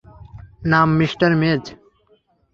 নাম মিঃ মেজ।